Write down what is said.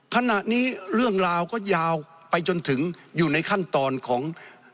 ขณะนี้เรื่องราวก็ยาวไปจนถึงอยู่ในขั้นตอนของ